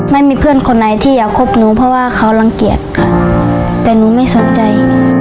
ไม่มีเพื่อนคนไหนที่อยากคบหนูเพราะว่าเขารังเกียจค่ะแต่หนูไม่สนใจ